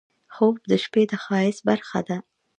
خوب د شپه د ښایست برخه ده